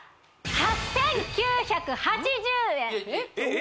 ８９８０円！